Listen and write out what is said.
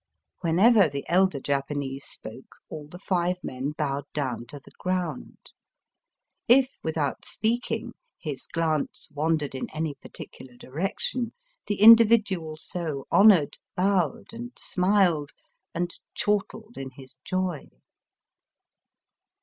Whenever the elder Japanese spoke, all the five men bowed down to the ground. If, without speaking, his glance wandered in any particular direction, the individual so honoured bowed and smiled, " and chortled in his joy."